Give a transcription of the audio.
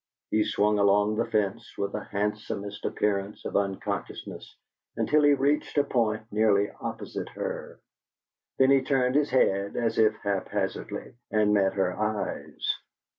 He swung along the fence with the handsomest appearance of unconsciousness, until he reached a point nearly opposite her. Then he turned his head, as if haphazardly, and met her eyes.